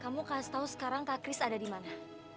kamu kasih tau sekarang kak kris ada di mana